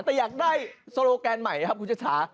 แต่อยากได้โซโลแกนใหม่ครับคุณชชา